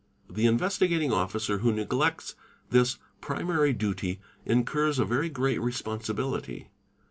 The Investigating Officer who neglects this primary 'duty incurs a very great responsibility.